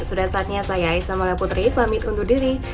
sudah saatnya saya aisam mala putri pamit untuk diri